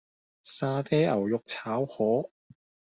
沙嗲牛肉炒河